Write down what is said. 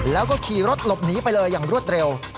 แล้วก็ขี่รถหลบหนีไปเลยอย่างรวดเร็ว